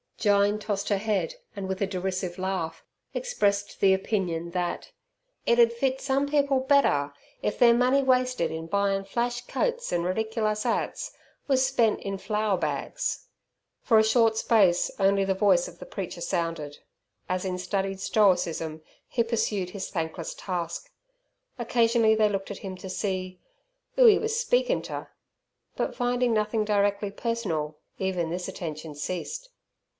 Jyne tossed her head and, with a derisive laugh, expressed the opinion that "It 'ed fit sum people better if ther munny wasted in buyin' flash coats an' rediclus 'ats wus spent in flour bags." For a short space only the voice of the preacher sounded, as, in studied stoicism, he pursued his thankless task. Occasionally they looked at him to see "'oo 'e wus speakin' ter", but finding nothing directly personal, even this attention ceased.